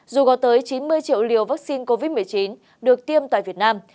dù có tới chín mươi triệu liều vaccine covid một mươi chín được tiêm tại việt nam